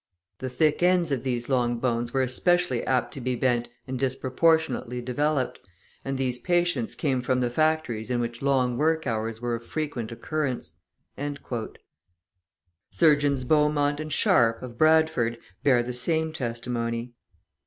The thick ends of these long bones were especially apt to be bent and disproportionately developed, and these patients came from the factories in which long work hours were of frequent occurrence." Surgeons Beaumont and Sharp, of Bradford, bear the same testimony.